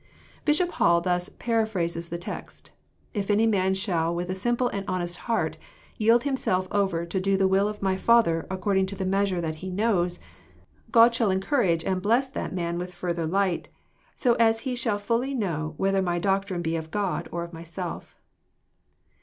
Bishop Hall thus paraphrases the text :<* If any man shall, with a simple and honest heart, yield himself over to do the will of my Father, according to the measure of that he knows, God shall encourage and bless that man with further light; so as he shall fully tuiow whether my doctrine be of God, or of myself."